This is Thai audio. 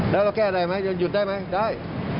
แล้วเราแก้อะไรไหมยังหยุดได้ไหมได้